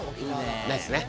ないですね。